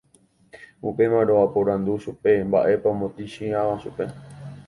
Upémarõ aporandu chupe mba'épa omotĩchiãva chupe